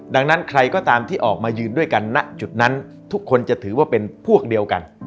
ดังนั้นใครก็ตามที่ออกมายืนด้วยกันณจุดนั้นทุกคนจะถือว่าเป็นพวกเดียวกัน